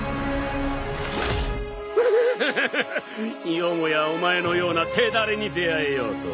よもやお前のような手だれに出会えようとは。